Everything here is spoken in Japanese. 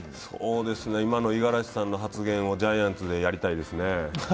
今の五十嵐さんの発言をジャイアンツでやりたいですね。